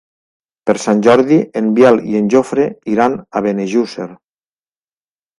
Per Sant Jordi en Biel i en Jofre iran a Benejússer.